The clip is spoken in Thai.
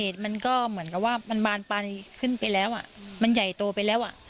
แต่ว่ามันบานปลายขึ้นไปแล้วอ่ะมันใหญ่โตไปแล้วอ่ะ